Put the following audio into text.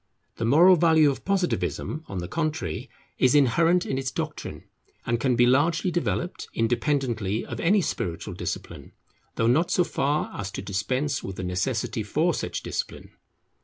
The moral value of Positivism on the contrary, is inherent in its doctrine, and can be largely developed, independently of any spiritual discipline, though not so far as to dispense with the necessity for such discipline.